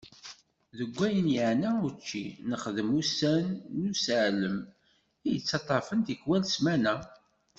Deg wayen yeɛna učči, nexdem ussan n useɛlem i yettaṭafen tikwal smana.